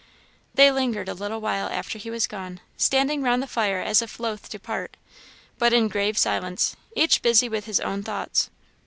They lingered a little while after he was gone, standing round the fire as if loth to part, but in grave silence, each busy with his own thoughts.